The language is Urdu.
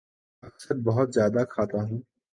اکثر بہت زیادہ کھاتا ہوں